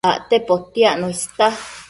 Acte potiacno ista